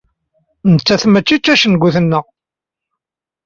Nettat mačči d tacengut-nneɣ.